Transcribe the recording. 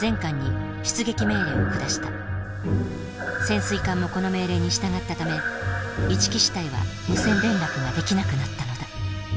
潜水艦もこの命令に従ったため一木支隊は無線連絡ができなくなったのだ。